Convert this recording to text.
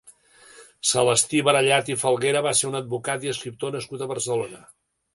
Celestí Barallat i Falguera va ser un advocat i escriptor nascut a Barcelona.